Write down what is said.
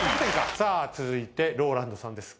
さあ続いてＲＯＬＡＮＤさんです。